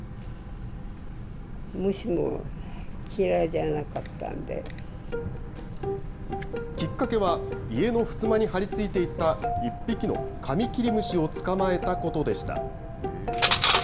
すごい。きっかけは、家のふすまに張り付いていた１匹のカミキリムシを捕まえたことでした。